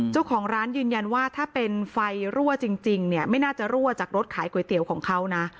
เจ้าของร้านยืนยันว่าถ้าเป็นไฟรั่วจริงเนี่ยไม่น่าจะรั่วจากรถขายก๋วยเตี๋ยวของเขานะ